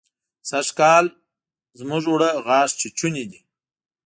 سرکال زموږ اوړه غاښ چيچوني دي.